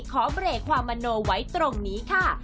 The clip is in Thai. ขอเบรกความมโนไว้ตรงนี้ค่ะ